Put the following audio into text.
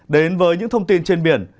đến với những thông tin trên biển